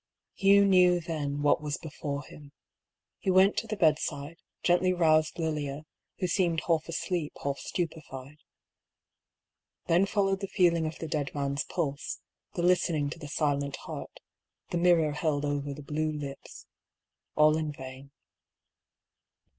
• Hugh knew then what was before him. He went to the bedside, gently roused Lilia, who seemed half asleep, half stupefied. Then followed the feeling of the dead man's pulse, the listening to the silent heart, the mirror held over the blue lips — all in vain.